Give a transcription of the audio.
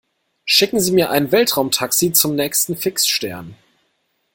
Schicken Sie mir ein Weltraumtaxi zum nächsten Fixstern!